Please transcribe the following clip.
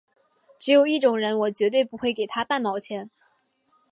只有一种人我绝对不会给他半毛钱